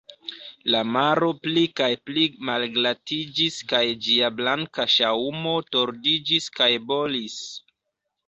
La maro pli kaj pli malglatiĝis kaj ĝia blanka ŝaŭmo tordiĝis kaj bolis.